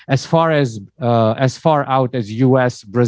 adalah negara yang tidak muslim